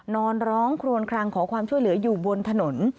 นอนร้องครวนคลังขอความช่วยเหลืออยู่บนถนน